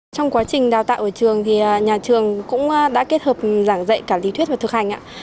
trong quá trình đào tạo ở trường thì nhà trường cũng đã kết hợp giảng dạy cả lý thuyết và thực hành